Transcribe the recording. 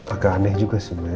agak aneh juga semua ya